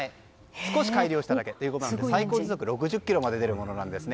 少し改良しただけということで最高時速６０キロまで出るものなんですね。